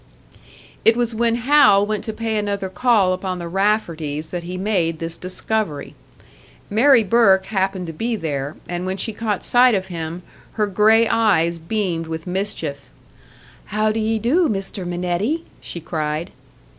It was when Hal went to pay another call upon the Rafferties that he made this discovery. Mary Burke happened to be there, and when she caught sight of him, her grey eyes beamed with mischief. "How do ye do, Mr. Minetti?" she cried.